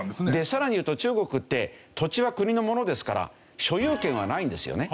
さらに言うと中国って土地は国のものですから所有権はないんですよね。